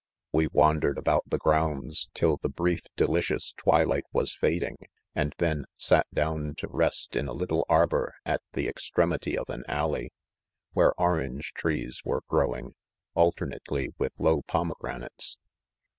• We wandered; about tfie grounds till the brief delicious twilight was fading, and then sat down to. rest in a little arbour at the ex tremity of an alley, where orange trees were growing, alternately with lowpomegranaLoo.